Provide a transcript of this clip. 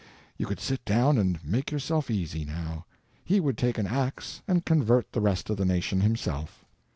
You could sit down and make yourself easy, now. He would take an ax and convert the rest of the nation himself.